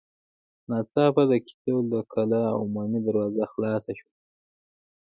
ناڅاپه د قيتول د کلا عمومي دروازه خلاصه شوه.